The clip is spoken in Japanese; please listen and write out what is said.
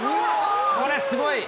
これ、すごい。